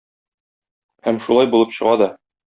Һәм шулай булып чыга да.